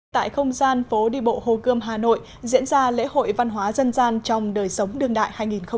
tại không gian phố đi bộ hồ cơm hà nội diễn ra lễ hội văn hóa dân gian trong đời sống đương đại hai nghìn một mươi chín